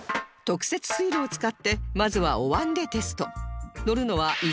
特設水路を使ってまずはお椀でテスト